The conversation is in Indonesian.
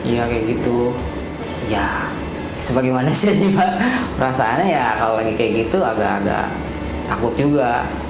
ya kayak gitu ya sebagai manusia sih pak perasaannya ya kalau lagi kayak gitu agak agak takut juga